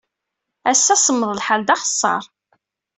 Ass-a, semmeḍ lḥal d axeṣṣar.